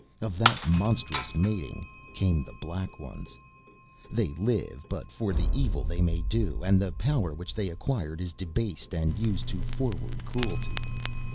Of that monstrous mating came the Black Ones. They live but for the evil they may do, and the power which they acquired is debased and used to forward cruelty.